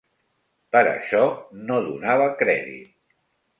Per això no donava crèdit.